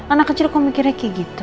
anak kecil kok mikirnya kayak gitu